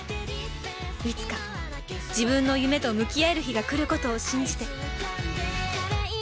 いつか自分の夢と向き合える日が来る事を信じて